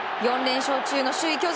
４連勝中の首位